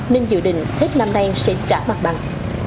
nên dự định hết năm nay sẽ trả mặt bằng